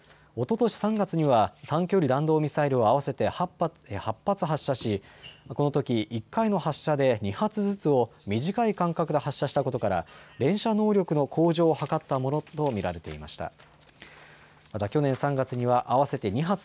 おととし３月には短距離弾道ミサイルを合わせて８発、発射しこのとき１回の発射で２発ずつを短い間隔で発射したことから連射能力の向上を図ったものと見られていました。